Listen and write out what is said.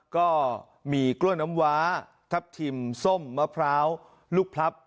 ก็มีกล้วยน้ำว้าทับทิมส้มมะพร้าวลูกพลับ